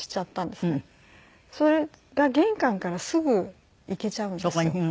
それが玄関からすぐ行けちゃうんですよ。